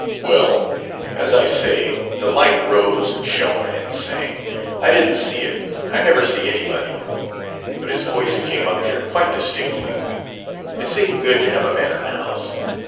"Well, as I say, the light rose, shone, and sang. I didn't see it I never see anybody. But his voice came up here quite distinctly. It seemed good to have a man in the house.